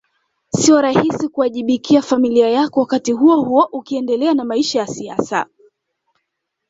Sio rahisi kuwajibikia familia yako wakati huohuo ukiendelea na maisha ya siasa